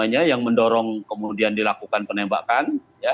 yang mendorong kemudian dilakukan penembakan